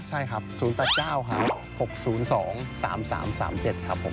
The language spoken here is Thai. ใช่ครับ๐๘๙๖๐๒๓๓๓๗ครับผมครับ